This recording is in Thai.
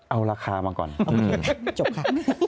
เอาราคามาก่อนจบค่ะ